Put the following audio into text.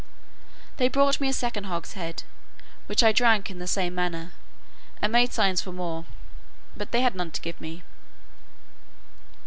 They brought me a second hogshead, which I drank in the same manner, and made signs for more; but they had none to give me.